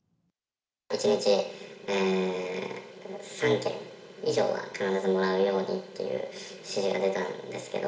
１日３件以上は必ずもらうようにっていう指示が出たんですけど。